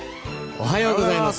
おはようございます。